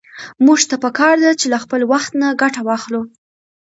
موږ ته په کار ده چې له خپل وخت نه ګټه واخلو.